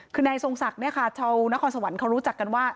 คือในทรงศักดิ์นี้ค่ะเทอุร์นครสวรรค์เขารู้จักกันว่า